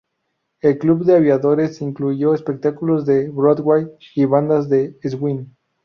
El club de aviadores incluyó espectáculos de Broadway y bandas de swing.